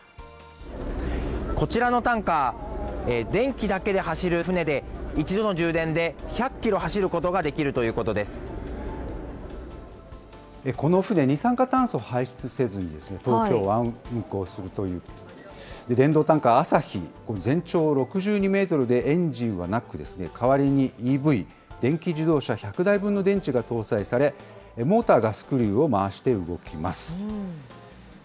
こちらのタンカー、電気だけで走る船で、一度の充電で１００キロ走ることができるということこの船、二酸化炭素を排出せずに、東京湾を運航するという電動タンカー、あさひ、これ、全長６２メートルでエンジンはなく、代わりにＥＶ・電気自動車１００台分の電池が搭載され、モーターがスクリューを回して動きます。